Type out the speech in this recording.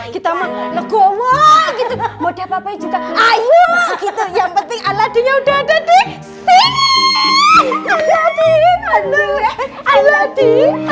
kita mau legowo gitu mau diapain juga ayo yang penting aladinya udah ada di sini aladi aladi